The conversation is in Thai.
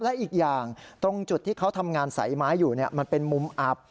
และอีกอย่างตรงจุดที่เขาทำงานสายไม้อยู่มันเป็นมุมอับ